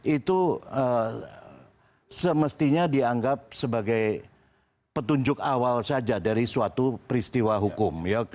itu semestinya dianggap sebagai petunjuk awal saja dari suatu peristiwa hukum